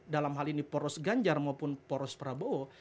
dalam hal ini poros ganjar maupun poros prabowo